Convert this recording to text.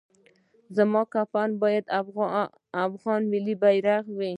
زما کفن باید افغان ملي بیرغ وي